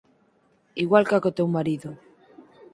igual ca co teu marido.